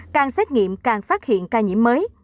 càng xét nghiệm càng phát hiện ca nhiễm mới